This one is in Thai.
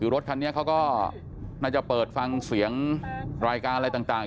รถคันนี้เขาก็น่าจะเปิดฟังเสียงรายการอะไรต่าง